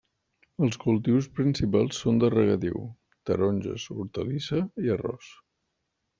Els cultius principals són de regadiu: taronges, hortalissa i arròs.